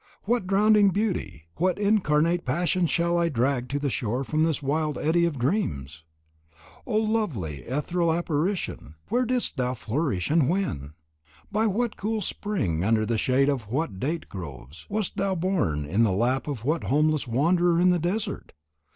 What drowning beauty, what incarnate passion shall I drag to the shore from this wild eddy of dreams? O lovely ethereal apparition! Where didst thou flourish and when? By what cool spring, under the shade of what date groves, wast thou born in the lap of what homeless wanderer in the desert?